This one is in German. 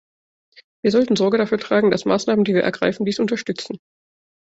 Wir sollten Sorge dafür tragen, dass Maßnahmen, die wir ergreifen, dies unterstützen.